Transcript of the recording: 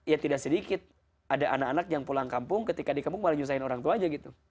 karena ya tidak sedikit ada anak anak yang pulang kampung ketika di kampung malah nyusahin orang tuanya gitu